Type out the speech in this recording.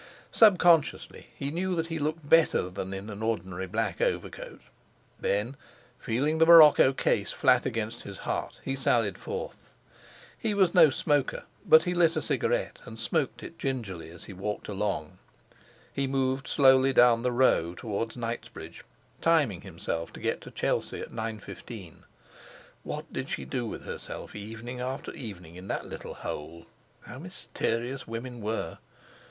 Subconsciously, he knew that he looked better thus than in an ordinary black overcoat. Then, feeling the morocco case flat against his heart, he sallied forth. He was no smoker, but he lit a cigarette, and smoked it gingerly as he walked along. He moved slowly down the Row towards Knightsbridge, timing himself to get to Chelsea at nine fifteen. What did she do with herself evening after evening in that little hole? How mysterious women were!